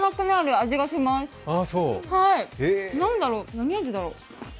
何味だろう？